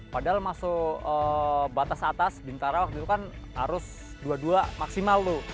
padahal masuk batas atas bintara waktu itu kan harus dua puluh dua maksimal loh